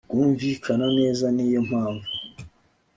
bwumvikana neza ni yo mpamvu